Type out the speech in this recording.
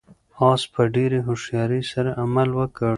آس په ډېرې هوښیارۍ سره عمل وکړ.